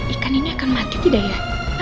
ikan ini akan mati tidak ya